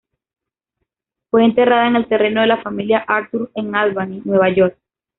Fue enterrada en el terreno de la familia Arthur en Albany, Nueva York.